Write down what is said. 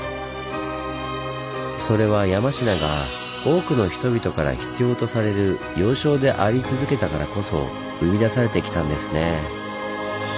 それは山科が多くの人々から必要とされる要衝であり続けたからこそ生み出されてきたんですね。